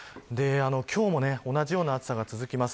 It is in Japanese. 今日も同じような暑さが続きます。